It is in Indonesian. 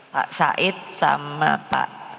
pak said sama pak